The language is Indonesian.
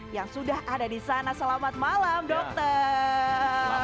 yang sudah ada di sana selamat malam dokter